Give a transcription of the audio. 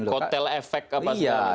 kotel efek apa sekali